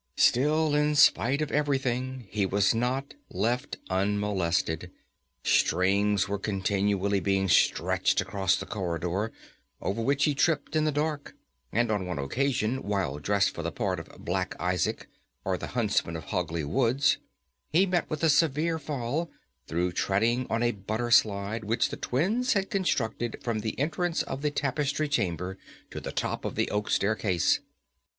Still in spite of everything he was not left unmolested. Strings were continually being stretched across the corridor, over which he tripped in the dark, and on one occasion, while dressed for the part of "Black Isaac, or the Huntsman of Hogley Woods," he met with a severe fall, through treading on a butter slide, which the twins had constructed from the entrance of the Tapestry Chamber to the top of the oak staircase.